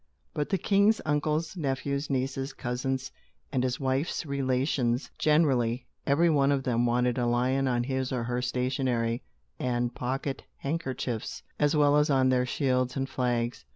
But the king's uncles, nephews, nieces, cousins, and his wife's relations generally, every one of them, wanted a lion on his or her stationery and pocket handkerchiefs, as well as on their shields and flags.